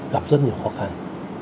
gặp rất nhiều khó khăn